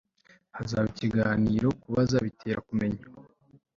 hazaba ikiganiro kubaza bitera kumenya